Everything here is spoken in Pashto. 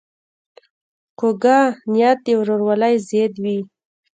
کوږه نیت د ورورولۍ ضد وي